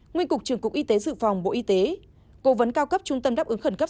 nguyên cục trưởng cục y tế dự phòng bộ y tế cố vấn cao cấp trung tâm đáp ứng khẩn cấp